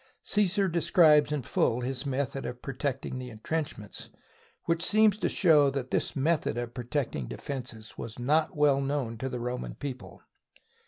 Csesar describes in full his method of protecting the intrenchments which seems to show that this method of protecting de fences was not well known to the Roman people.